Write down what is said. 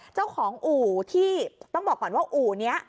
เจ้าของอู่ที่ต้องบอกก่อนว่าอู่นี้